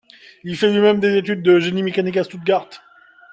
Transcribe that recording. Il fait lui-même des études de génie mécanique à Stuttgart.